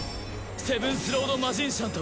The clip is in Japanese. セブンスロード・魔神シャンと